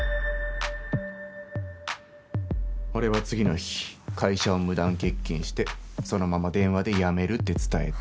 俺は次の日会社を無断欠勤してそのまま電話で辞めるって伝えた。